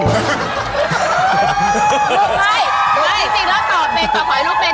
จริงถ้าต่อเป็นต่อของให้ลูกเป็น